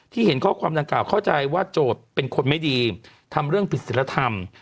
เห็นข้อความดังกล่าวเข้าใจว่าโจทย์เป็นคนไม่ดีทำเรื่องผิดศิลธรรม